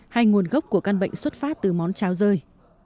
hay nguồn gốc của căn bệnh xuất phát từ món cháo rơi